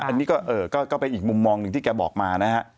อันนี้ก็เป็นอีกมุมมองหนึ่งที่แกบอกมานะฮะ